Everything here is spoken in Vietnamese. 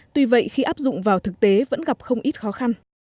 tuy vậy khi áp dụng vào thực tế vẫn gặp không ít khó khăn